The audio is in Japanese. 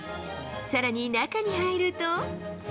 さらに中に入ると。